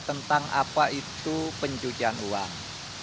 tentang apa itu pencucian uang